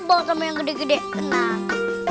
bawa kamu yang gede gede tenang